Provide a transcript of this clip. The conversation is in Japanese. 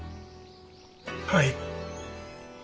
はい。